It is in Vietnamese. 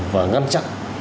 và ngăn chặn